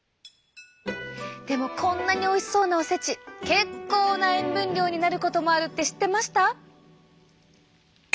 でもこんなにおいしそうなおせち結構な塩分量になることもあるって知ってました？